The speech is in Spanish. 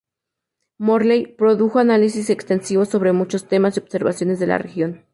Morley produjo análisis extensivos sobre muchos temas y observaciones de la región.